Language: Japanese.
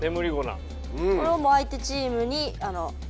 これをもう相手チーム